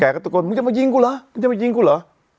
ก็ตะโกนมึงจะมายิงกูเหรอมึงจะมายิงกูเหรอ